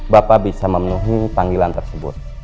bapak bisa memenuhi panggilan tersebut